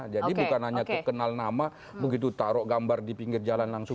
jadi bukan hanya kenal nama begitu taruh gambar di pinggir jalan langsung